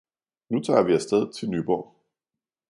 Nu tager vi afsted til Nyborg